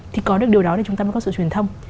thì có được điều đó thì chúng ta mới có sự truyền thông